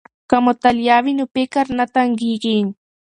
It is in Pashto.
که مطالعه وي نو فکر نه تنګیږي.